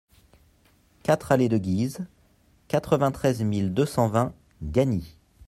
quatre allée de Guise, quatre-vingt-treize mille deux cent vingt Gagny